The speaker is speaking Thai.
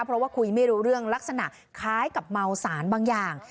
เพราะว่าคุยไม่รู้เรื่องลักษณะคล้ายกับเมาสารบางอย่าง